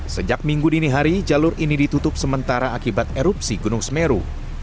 sejak minggu dini hari jalur ini ditutup sementara akibat erupsi gunung semeru